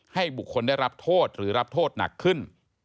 ให้บุคคลได้รับโทษหรือรับโทษหนักขึ้น